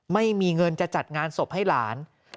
ไม่มีเงินจะจัดงานศพให้หลาน